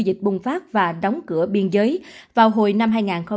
dịch bùng phát và đóng cửa biên giới vào hồi năm hai nghìn hai mươi